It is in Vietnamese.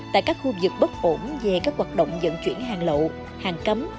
tại các khu vực bất ổn về các hoạt động dẫn chuyển hàng lậu hàng cấm